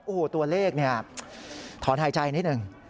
โอ้โหตัวเลขเนี่ยถอนหายใจนิดหนึ่ง